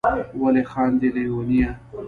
ولي خاندی ليونيه